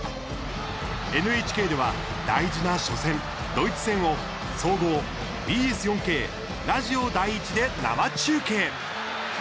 ＮＨＫでは大事な初戦ドイツ戦を総合、ＢＳ４Ｋ、ラジオ第１で生中継。